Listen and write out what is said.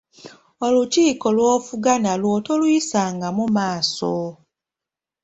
Olukiiko lw’ofuga nalwo toluyisangamu maaso.